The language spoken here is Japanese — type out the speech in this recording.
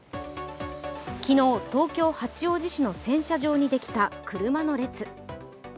昨日、東京・八王子市にできた車の列。